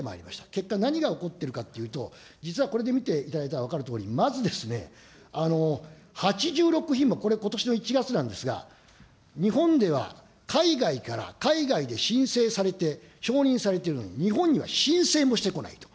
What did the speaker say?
結果、何が起こっているかというと、実はこれで見ていただいたら分かるとおり、まず８６品目、これことしの１月なんですが、日本では海外から、海外で申請されて承認されているのに日本には申請もしてこないと。